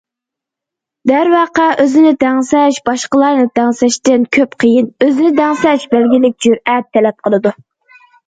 دەرۋەقە، ئۆزىنى دەڭسەش باشقىلارنى دەڭسەشتىن كۆپ قىيىن، ئۆزىنى دەڭسەش بەلگىلىك جۈرئەت تەلەپ قىلىدۇ.